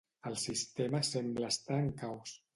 El sistema sembla estar en caos.